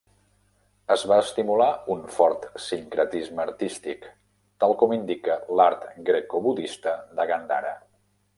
Es va estimular un fort sincretisme artístic, tal com indica l'art Greco-budista de Gandhara.